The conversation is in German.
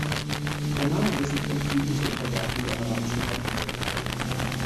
Er nahm an dessen Feldzügen zur Unterwerfung der Arabischen Halbinsel teil.